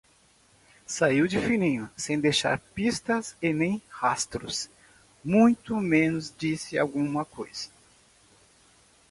Saiu de fininho, sem deixar pistas e nem rastros. Muito menos disse alguma coisa